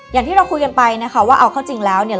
อย่างที่เราคุยกันไปว่าเอาเขาจริงแล้ว